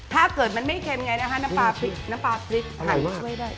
ถ้าเกิดมันไม่เค็มไงนะคะน้ำป้าฝร่อยก็คล้ายได้